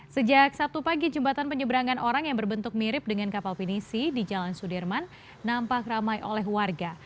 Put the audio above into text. sejak sabtu pagi jembatan penyeberangan orang yang berbentuk mirip dengan kapal pinisi di jalan sudirman nampak ramai oleh warga